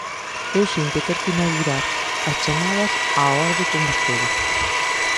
Eu sinto ter que inaugurar as chamadas á orde con vostede.